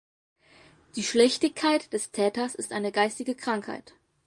Die Schlechtigkeit des Täters ist eine geistige Krankheit.